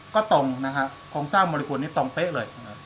ก็ตรงคงทราบมูลคุณนี้ตรงเป๊ะเลย